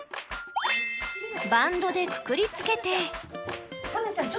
バンドでくくりつけて。